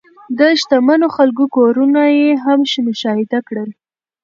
د شتمنو خلکو کورونه یې هم مشاهده کړل.